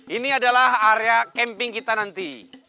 ini adalah area camping kita nanti